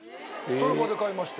その場で買いました。